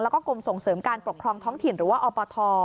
แล้วก็กรมส่งเสริมการปกครองท้องถิ่นหรือว่าอปท